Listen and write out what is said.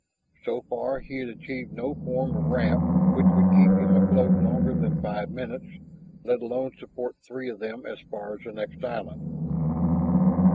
So far he had achieved no form of raft which would keep him afloat longer than five minutes, let alone support three of them as far as the next island.